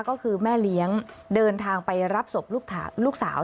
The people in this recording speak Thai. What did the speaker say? ก็คือแม่เลี้ยงเดินทางไปรับศพลูกสาว